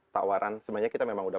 tawaran sebenarnya kita memang udah